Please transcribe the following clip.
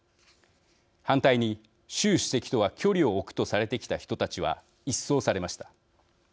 反対に、習主席とは距離を置くとされてきた人たちは一掃されました。